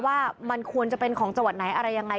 ว่ามันควรจะเป็นของจังหวัดไหนอะไรยังไง